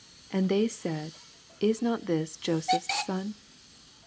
And they said, Is not this Joseph^s son